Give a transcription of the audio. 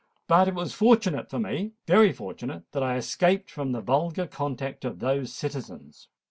But it was fortunate for me—very fortunate—that I escaped from the vulgar contact of those citizens."